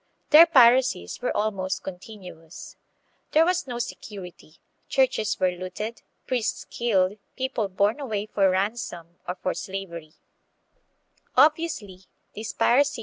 Their piracies were almost con tinuous. There was no security; churches were looted, priests killed, people borne away for ransom or for slavery.